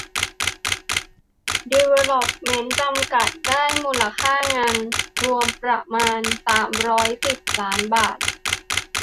ดีเวลล็อปเมนต์ จำกัด ได้มูลค่างานรวมประมาณ สามร้อยสิบ ล้านบาท